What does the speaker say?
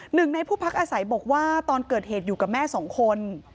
หนึ่งในผู้พักอาศัยบอกว่าตอนเกิดเหตุอยู่กับแม่สองคน